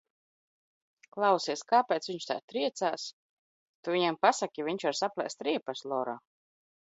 Klausies, kāpēc viņš tā triecās? Tu viņam pasaki, viņš var saplēst riepas, Lora!